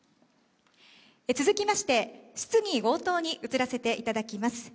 続きまして、質疑応答に移らせていただきます。